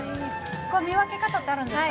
見分け方ってあるんですか？